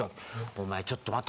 「お前ちょっと待て」と。